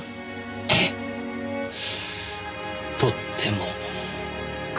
ええとっても。